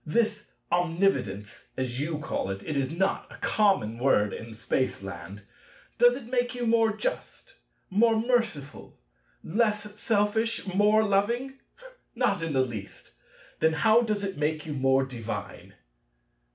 This omnividence, as you call it—it is not a common word in Spaceland—does it make you more just, more merciful, less selfish, more loving? Not in the least. Then how does it make you more divine?